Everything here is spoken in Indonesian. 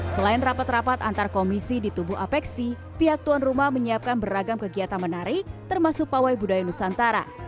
selain rapat rapat antar komisi di tubuh apexi pihak tuan rumah menyiapkan beragam kegiatan menarik termasuk pawai budaya nusantara